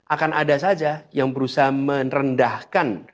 akan ada saja yang berusaha merendahkan